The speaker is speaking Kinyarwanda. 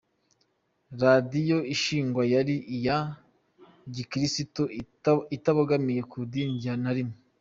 Radiyo ishingwa yari iya gikristo itabogamiye Ku idini na rimwe.